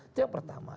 itu yang pertama